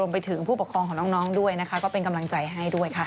ไปถึงผู้ปกครองของน้องด้วยนะคะก็เป็นกำลังใจให้ด้วยค่ะ